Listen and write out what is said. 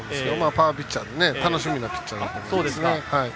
パワーピッチャーで楽しみなピッチャーですね。